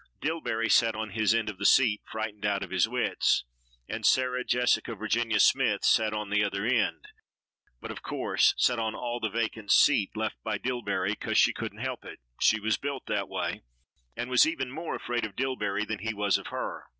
Dillbery sat on his end of the seat, frightened out of his wits, and Sarah Jessica Virginia Smythe sat on the other end, but, of course, sat on all the vacant seat left by Dillbery, 'cause she couldn't help it, she was built that way, and was even more afraid of Dillbery than he was of her.